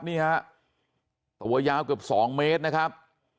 นี่ฮะตัวยาวเกือบ๒เมตรนะครับ